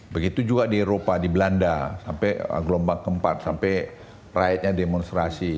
begitu juga di eropa di belanda sampai gelombang keempat sampai rakyatnya demonstrasi